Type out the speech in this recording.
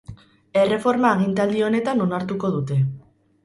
Erreforma agintaldi honetan onartuko dute.